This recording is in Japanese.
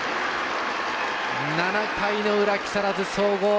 ７回の裏、木更津総合。